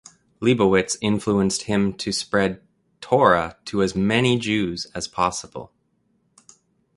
Leibowitz influenced him to spread Torah to as many Jews as possible.